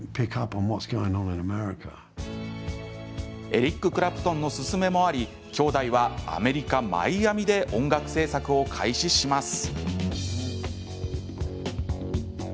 エリック・クラプトンのすすめもあり兄弟はアメリカ・マイアミで音楽制作を開始します。